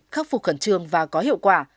khắc phục khẩn trương và có hiệu quả